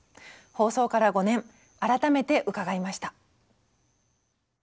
放送から５年改めて伺いました。